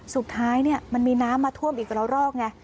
สุดท้ายเนี่ยมันมีน้ำมาท่วมอีกแล้วรอกไง